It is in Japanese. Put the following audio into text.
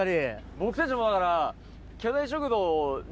僕たちもだから。